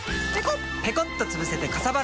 ペコッとつぶせてかさばらない！